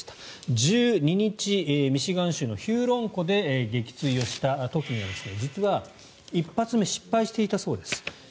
１２日ミシガン州のヒューロン湖で撃墜をした時には実は１発目失敗していたそうです。